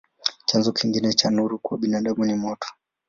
Chanzo kingine cha nuru kwa binadamu ni moto.